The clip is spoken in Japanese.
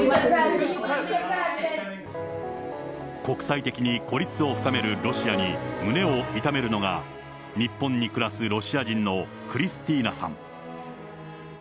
国際的に孤立を深めるロシアに、胸を痛めるのが、日本に暮らすロシア人のクリスティーナさん。